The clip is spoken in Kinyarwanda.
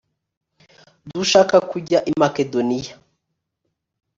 dushaka kujya i makedoniyae